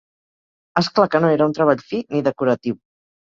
Es clar que no era un treball fi, ni decoratiu